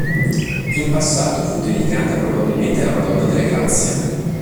In passato fu dedicata probabilmente alla Madonna delle Grazie.